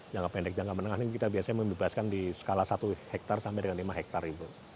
jangka pendek jangka menengah ini kita biasanya membebaskan di skala satu hektare sampai dengan lima hektare itu